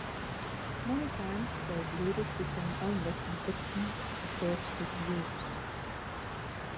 Many times, those leaders become unwitting victims of the fraudster's ruse.